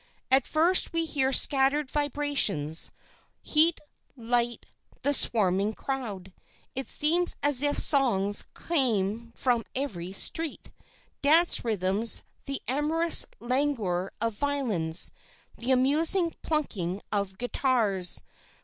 At first we hear scattered vibrations: heat, light, the swarming crowd. It seems as if songs came from every street, dance rhythms, the amorous languor of violins, the amusing plunking of guitars.